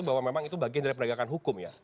bahwa memang itu bagian dari penegakan hukum ya